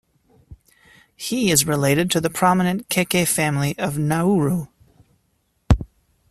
He is related to the prominent Keke family of Nauru.